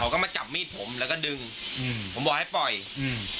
ก็มาจับมีดผมแล้วก็ดึงอืมผมบอกให้ปล่อยอืม